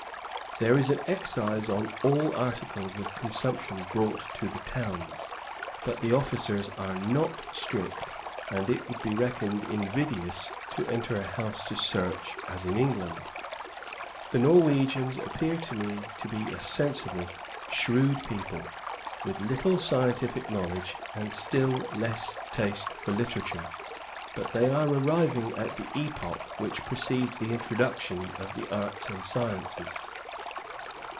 There is an excise on all articles of consumption brought to the towns; but the officers are not strict, and it would be reckoned invidious to enter a house to search, as in England. The Norwegians appear to me a sensible, shrewd people, with little scientific knowledge, and still less taste for literature; but they are arriving at the epoch which precedes the introduction of the arts and sciences.